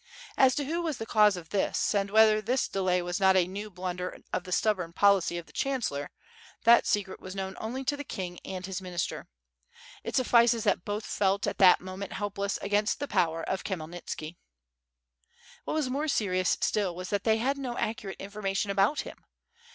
As to who was the cause of this, and whether this delay was not a new blunder of the stubborn, policy of the chancellor, that 792 WITH FIRE AND SWORD. secret was known only to the king and his minister; it sufBceft that both felt at that moment helpless against the power ox Khmyelnitski. What was more serious still w^as that they had no accurate information about him.